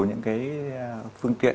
những cái phương tiện